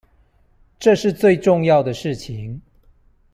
這是最重要的事情